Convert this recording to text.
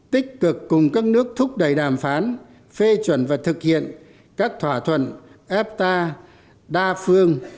tích cực cùng các nước thúc đẩy đàm phán phê chuẩn và thực hiện các thỏa thuận efta đa phương